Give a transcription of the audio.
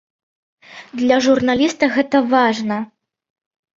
Для журналіста гэта важна.